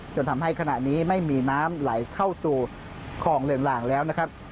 จนทำให้ขณะนี้ไม่มีน้ำไหลเข้าสู่คลองเรืองหลางแล้วนะครับ